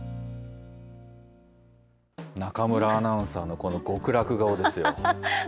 中村アナウンサーのこの極楽顔ですよ。